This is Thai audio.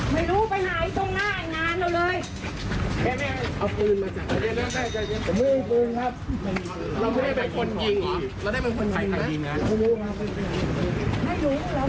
ไม่รู้ไปไหนตรงหน้างานเราเลย